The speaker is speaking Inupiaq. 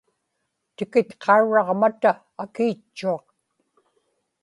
tikitqaurraġmata akiitchuaq